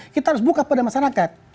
kita harus buka pada masyarakat